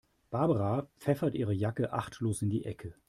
Barbara pfeffert ihre Jacke achtlos in die Ecke.